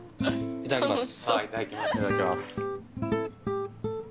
いただきます。